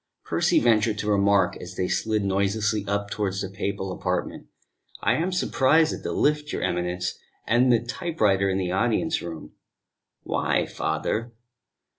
Percy ventured to make a remark as they slid noiselessly up towards the papal apartment. "I am surprised at the lift, your Eminence, and the typewriter in the audience room." "Why, father?"